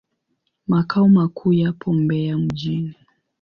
Makao makuu yapo Mbeya mjini.